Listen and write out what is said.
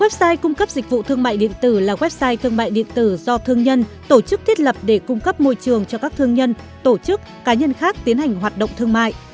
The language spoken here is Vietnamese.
website cung cấp dịch vụ thương mại điện tử là website thương mại điện tử do thương nhân tổ chức thiết lập để cung cấp môi trường cho các thương nhân tổ chức cá nhân khác tiến hành hoạt động thương mại